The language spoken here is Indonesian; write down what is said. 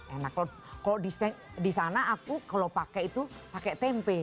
enak loh kalau disana aku kalau pakai itu pakai tempe